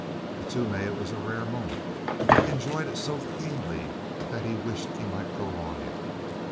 To Toomey it was a rare moment. He enjoyed it so keenly that he wished he might prolong it.